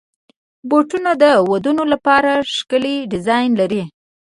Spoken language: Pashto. بوټونه د ودونو لپاره ښکلي ډیزاین لري.